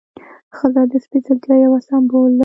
ښځه د سپېڅلتیا یو سمبول ده.